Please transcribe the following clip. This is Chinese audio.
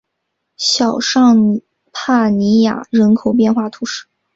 小尚帕尼亚人口变化图示